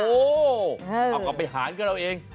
โอ้โหเอากลับไปหารกับเราเอง